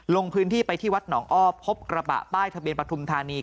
ลงพื้นที่ไปที่วัดหนองอ้อพบกระบะป้ายทะเบียนปฐุมธานี